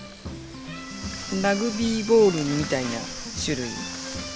ラグビーボールみたいな種類。